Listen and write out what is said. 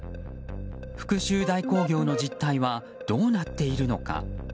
復讐代行業の実態はどうなっているのか。